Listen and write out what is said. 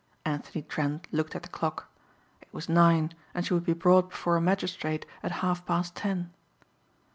Anthony Trent looked at the clock. It was nine and she would be brought before a magistrate at half past ten.